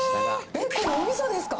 これ、おみそですか？